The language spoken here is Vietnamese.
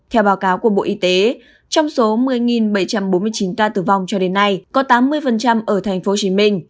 theo báo cáo của bộ y tế trong số một mươi bảy trăm bốn mươi chín ca tử vong cho đến nay có tám mươi ở tp hcm